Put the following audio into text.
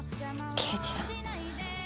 刑事さん。